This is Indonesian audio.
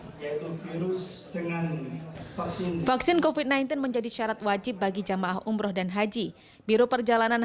dengan vaksin vaksin kofit naikin menjadi syarat wajib bagi jamaah umroh dan haji biru perjalanan